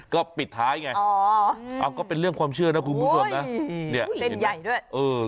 แกยังไม่เดินแกเสี่ยงเซ็มซีก่อน